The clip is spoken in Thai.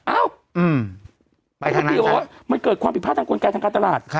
ปกติบอกว่ามันเกิดความผิดพลาดทางกลไกทางการตลาด